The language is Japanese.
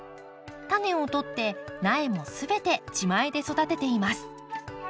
タネをとって苗も全て自前で育てています。